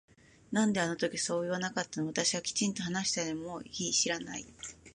なんであの時そう言わなかったの私はきちんと話したよねもういい知らない